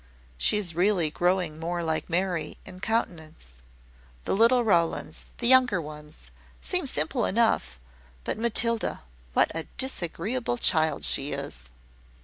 She is really growing more like Mary in countenance. The little Rowlands the younger ones seem simple enough; but Matilda, what a disagreeable child she is!"